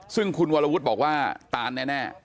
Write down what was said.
ซึ่งคุณวรวุฒิบอกว่าตานแน่